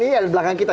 iya di belakang kita